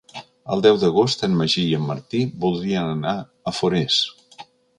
El deu d'agost en Magí i en Martí voldrien anar a Forès.